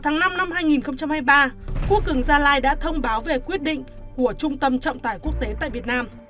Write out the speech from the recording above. ngày năm hai nghìn hai mươi ba quốc cường gia lai đã thông báo về quyết định của trung tâm trọng tải quốc tế tại việt nam